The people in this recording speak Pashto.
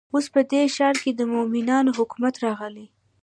اوس په دې ښار کې د مؤمنانو حکومت راغلی.